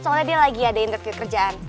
soalnya dia lagi ada internet kerjaan